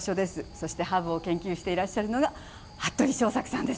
そしてハブを研究していらっしゃるのが服部正策さんです。